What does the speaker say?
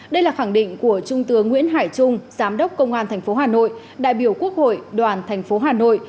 đây là khẳng định của trung tướng nguyễn hải trung giám đốc công an tp hà nội đại biểu quốc hội đoàn thành phố hà nội